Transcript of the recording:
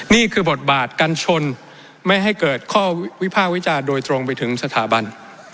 นี่คือบทบาทกัญชนไม่ให้เกิดข้อวิภาควิจารณ์โดยตรงไปถึงสถาบัน